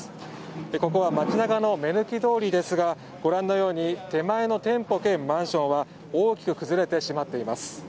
ここは街中の目抜き通りですがご覧のように手前の店舗兼マンションは大きく崩れてしまっています。